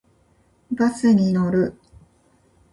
バスに乗る。